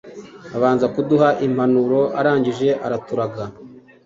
abanza kuduha impanuro arangije araturaga.